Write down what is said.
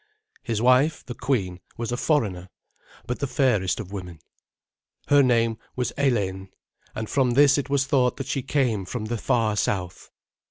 His wife, the queen, was a foreigner, but the fairest of women. Her name was Eleyn, and from this it was thought that she came from the far south.